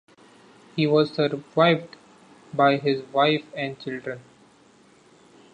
He was survived by his wife and children.